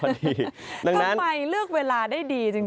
ทำไมเลือกเวลาได้ดีจริง